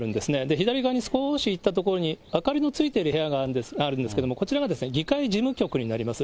左側に少し行ったところに明かりのついてる部屋があるんですけれども、こちらが議会事務局になります。